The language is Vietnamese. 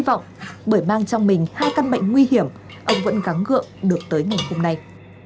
vọng bởi mang trong mình hai căn bệnh nguy hiểm ông vẫn gắn gượng được tới ngày hôm nay